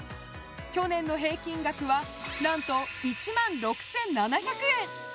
去年の平均額は何と１万６７００円。